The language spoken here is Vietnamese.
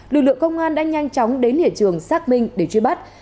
lực lượng công an đã nhanh chóng đến hệ trường sác minh để truy bắt